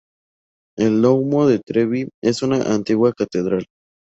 El "duomo" de Trevi es una antigua catedral.